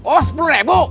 oh sepuluh ribu